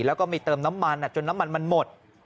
แล้วก็มีเติมน้ำมันจนน้ำมันมันหมด